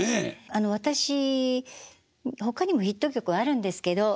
私ほかにもヒット曲はあるんですけど。